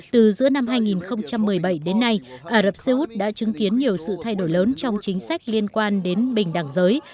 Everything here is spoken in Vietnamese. từ giữa năm hai nghìn một mươi bảy đến nay ả rập xê út đã chứng kiến nhiều sự thay đổi lớn trong chính sách liên quan đến bình đẳng giới